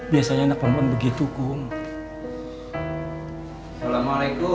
biasanya anak perempuan begitu kum